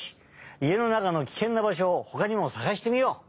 家の中のキケンなばしょをほかにもさがしてみよう！